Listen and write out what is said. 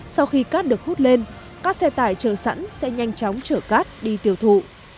sau khi cát được hút lên các xe tải trở sẵn sẽ nhanh chóng trở cát đi tiêu thụ